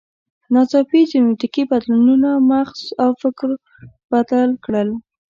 ناڅاپي جینټیکي بدلونونو مغز او فکر بدل کړل.